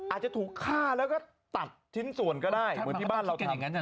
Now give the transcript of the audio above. อาจจะถูกฆ่าแล้วก็ตัดชิ้นส่วนก็ได้เหมือนที่บ้านเราทำอย่างนั้น